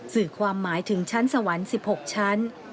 สื่อความหมายถึงชั้นสวรรค์๑๖ชั้น